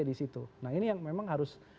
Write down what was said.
di situ nah ini yang memang harus